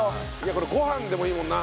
これご飯でもいいもんな。